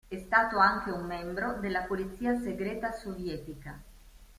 È stato anche un membro della polizia segreta sovietica.